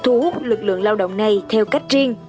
thu hút lực lượng lao động này theo cách riêng